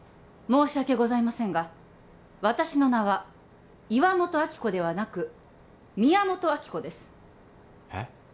申し訳ございませんが私の名は岩本亜希子ではなく宮本亜希子ですへっ？